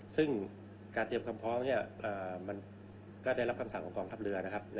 ซึ่งการเตรียมคำพ้อได้รับคำสั่งของกรรมทัพเรือ